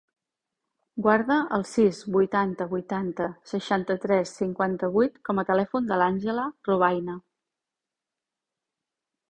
Guarda el sis, vuitanta, vuitanta, seixanta-tres, cinquanta-vuit com a telèfon de l'Àngela Robayna.